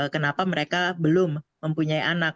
kenapa mereka belum mempunyai anak